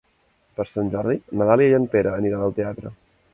Per Sant Jordi na Dàlia i en Pere aniran al teatre.